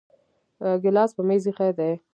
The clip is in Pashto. ګلاس په میز ایښی دی